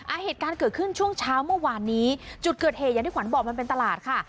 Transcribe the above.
เหตุการณ์เกิดขึ้นช่วงเช้าเมื่อวานนี้จุดเกิดเหตุอย่างที่ขวัญบอกมันเป็นตลาดค่ะ